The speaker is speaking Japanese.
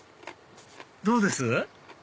どうです？